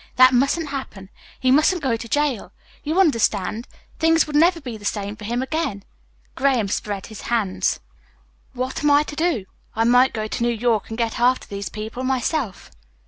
That mustn't happen. He mustn't go to jail. You understand. Things would never be the same for him again." Graham spread his hands. "What am I to do? I might go to New York and get after these people myself."